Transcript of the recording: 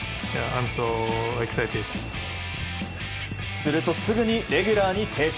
するとすぐにレギュラーに定着。